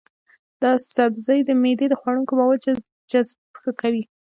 دا سبزی د معدې د خوړنکي موادو جذب ښه کوي.